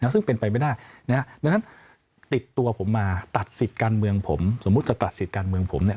ซึ่งเป็นไปไม่ได้ดังนั้นติดตัวผมมาตัดสิทธิ์การเมืองผมสมมุติจะตัดสิทธิ์การเมืองผมเนี่ย